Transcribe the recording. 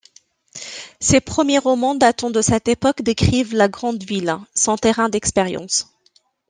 Ses premiers romans datant de cette époque décrivent la grande ville, son terrain d'expérience.